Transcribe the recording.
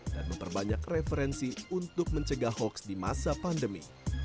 dan memperbanyak referensi untuk mencegah hoaks di masa pandemi